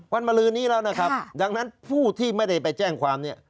มาลื้อนี้แล้วนะครับดังนั้นผู้ที่ไม่ได้ไปแจ้งความเนี่ย